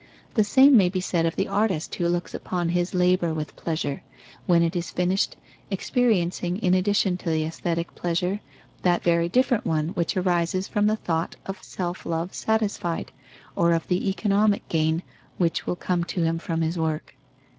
The same may be said of the artist who looks upon his labour with pleasure, when it is finished, experiencing, in addition to the aesthetic pleasure, that very different one which arises from the thought of self love satisfied, or of the economic gain which will come to him from his work.